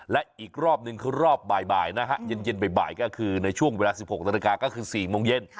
และอีกรอบหนึ่งคือรอบบ่ายบ่ายนะฮะเย็นเย็นบ่อยบ่ายก็คือในช่วงเวลาสิบหกนาฬิกาก็คือสี่โมงเย็น